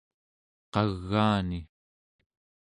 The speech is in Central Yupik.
qagaani